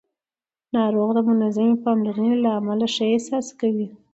ناروغ د منظمې پاملرنې له امله ښه احساس کوي